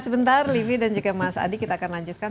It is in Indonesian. sebentar livi dan juga mas adi kita akan lanjutkan